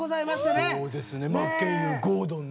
そうですね